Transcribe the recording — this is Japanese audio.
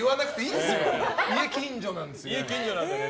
家、近所なんだよね。